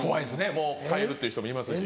もう帰るっていう人もいますし。